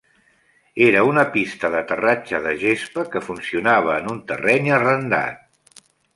Era una pista d'aterratge de gespa que funcionava en un terreny arrendat.